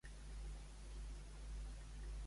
A què es dedica quan és major d'edat?